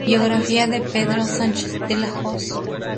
Biografía de Pedro Sánchez de la Hoz